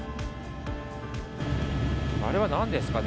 あれは何ですかね。